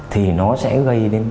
thì nó sẽ gây đến